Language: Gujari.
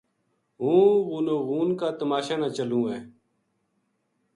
ہوں غونو غون کا تماشا نا چلوں ہے